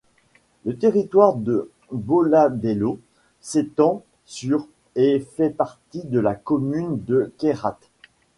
Le territoire de Bolladello s'étend sur et fait partie de la commune de Cairate.